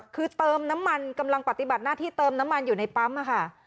คือเติมน้ำมันกำลังปฏิบัติหน้าที่เติมน้ำมันอยู่ในปั๊มค่ะ